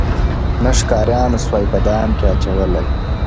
نه ښکاریانو سوای په دام کي اچولای -